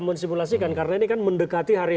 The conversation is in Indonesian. mensimulasikan karena ini kan mendekati hari